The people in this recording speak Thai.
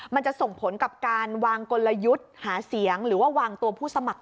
มันจะส่งผลกับการวางกลยุทธ์หาเสียงหรือว่าวางตัวผู้สมัคร